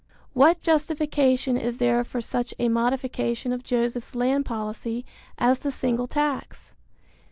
What justification is there for such a modification of Joseph's land policy, as the single tax?